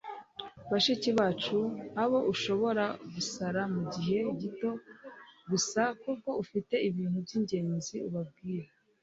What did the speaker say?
bashiki bacu abo ushobora gusara mugihe gito gusa kuko ufite ibintu by'ingenzi ubabwira